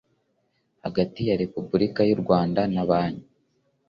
hagati ya Repubulika y u Rwanda na Banki